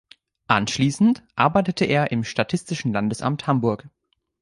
Anschließend arbeitete er im Statistischen Landesamt Hamburg.